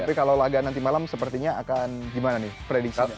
tapi kalau laga nanti malam sepertinya akan gimana nih prediksi